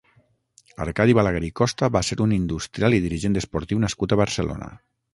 Arcadi Balaguer i Costa va ser un industrial i dirigent esportiu nascut a Barcelona.